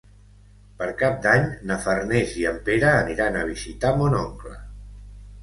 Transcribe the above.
Per Cap d'Any na Farners i en Pere aniran a visitar mon oncle.